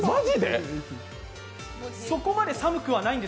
そこまで寒くはないんです